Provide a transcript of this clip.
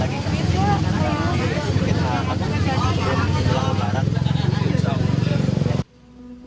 mungkin ada kenaikan lagi